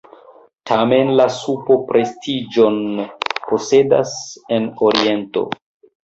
Tamen la supo prestiĝon posedas en Oriento.